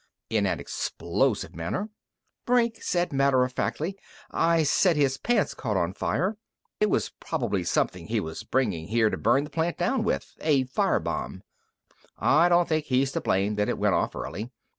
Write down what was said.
_" in, an explosive manner. Brink said matter of factly: "I said his pants caught on fire. It was probably something he was bringing here to burn the plant down with a fire bomb. I don't think he's to blame that it went off early.